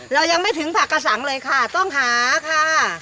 เรายังไม่ถึงผักกระสังเลยค่ะต้องหาค่ะ